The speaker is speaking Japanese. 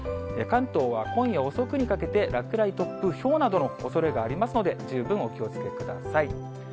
関東は今夜遅くにかけて、落雷、突風、ひょうなどのおそれがありますので、十分お気をつけください。